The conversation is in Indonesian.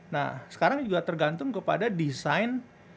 nah sekarang juga tergantung kepada desain